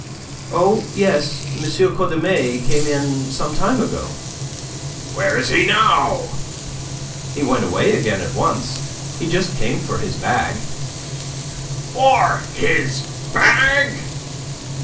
"Oh, yes, M. Cordemais came in some time ago." "Where is he now?" "He went away again at once. He just came for his bag." "For his bag!"